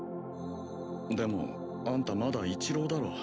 でもあんたまだ一浪だろ